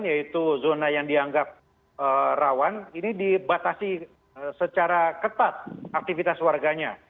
yaitu zona yang dianggap rawan ini dibatasi secara ketat aktivitas warganya